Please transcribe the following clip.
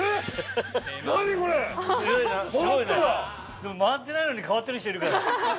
でも回ってないのに変わってる人いるから。